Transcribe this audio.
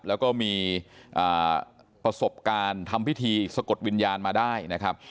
แล้วก็มีประสบการณ์ทำพิธีสะกดวิญญาณมาได้นะครับ